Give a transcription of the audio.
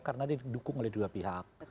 karena didukung oleh dua pihak